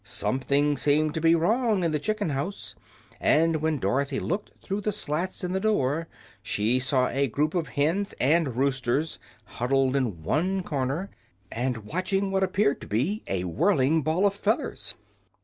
Something seemed to be wrong in the chicken house, and when Dorothy looked through the slats in the door she saw a group of hens and roosters huddled in one corner and watching what appeared to be a whirling ball of feathers.